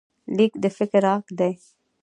لیک د فکر غږ دی.